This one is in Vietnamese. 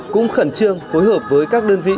cũng khẩn trương phối hợp với các đơn vị